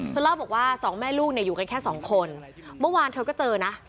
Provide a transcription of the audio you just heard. เล่าบอกว่าสองแม่ลูกเนี่ยอยู่กันแค่สองคนเมื่อวานเธอก็เจอนะ